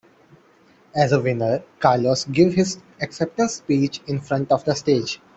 As a winner, Carlos give his acceptance speech in front of the stage.